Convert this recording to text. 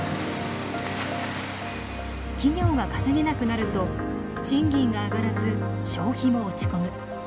企業が稼げなくなると賃金が上がらず消費も落ち込む。